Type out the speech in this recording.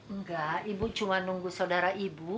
enggak ibu cuma nunggu saudara ibu